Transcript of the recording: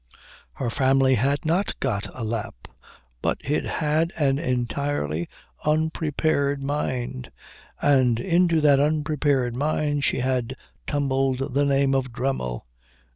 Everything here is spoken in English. Her family had not got a lap, but it had an entirely unprepared mind, and into that unprepared mind she had tumbled the name of Dremmel.